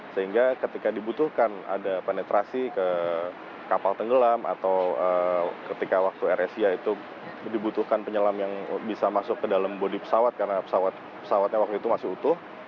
sehingga ketika dibutuhkan ada penetrasi ke kapal tenggelam atau ketika waktu airesia itu dibutuhkan penyelam yang bisa masuk ke dalam bodi pesawat karena pesawatnya waktu itu masih utuh